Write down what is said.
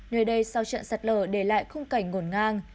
nơi đây sau trận sạt lở để lại khung cảnh ngổn ngang